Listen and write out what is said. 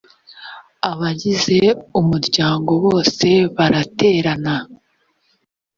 abagize umuryango bose baraterana